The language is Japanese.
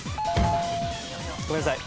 ごめんなさい。